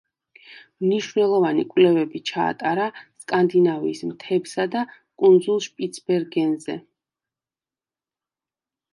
მნიშვნელოვანი კვლევები ჩაატარა სკანდინავიის მთებსა და კუნძულ შპიცბერგენზე.